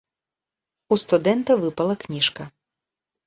У студэнта выпала кніжка.